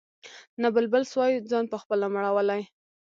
نه بلبل سوای ځان پخپله مړولای